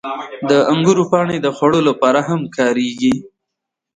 • د انګورو پاڼې د خوړو لپاره هم کارېږي.